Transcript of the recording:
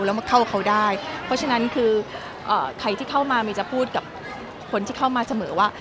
แล้วมาเข้าเขาได้เพราะฉะนั้นคือใครที่เข้ามาเมย์จะพูดกับคนที่เข้ามาเสมอว่า